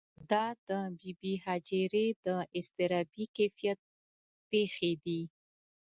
دا د بې بي هاجرې د اضطرابي کیفیت پېښې دي.